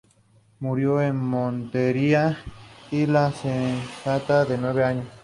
Al este, la meseta cae abruptamente sobre la llanura costera.